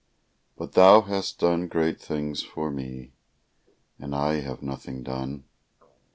But Thou hast done great things for me, And I have nothing done.